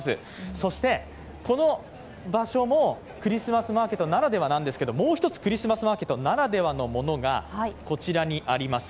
そしてこの場所もクリスマスマーケットならではなんですけどもう１つ、クリスマスマーケットならではのものがこちらにあります。